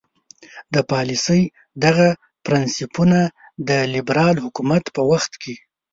د پالیسۍ دغه پرنسیپونه د لیبرال حکومت په وخت کې.